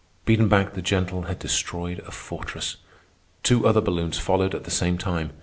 Biedenbach the gentle had destroyed a fortress. Two other balloons followed at the same time.